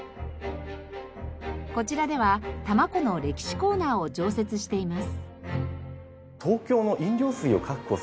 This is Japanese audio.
こちらでは多摩湖の歴史コーナーを常設しています。